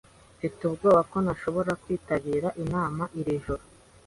Mfite ubwoba ko ntazashobora kwitabira inama iri joro.